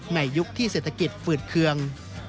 ยุคที่เศรษฐกิจฝืดเคือง